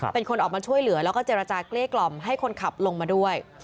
เป็นคนออกมาช่วยเหลือแล้วก็เจรจาเกลี้กล่อมให้คนขับลงมาด้วย